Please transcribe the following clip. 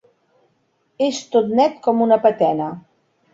És tot net com una patena.